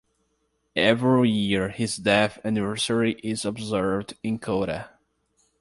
Every year his death anniversary is observed in Kota.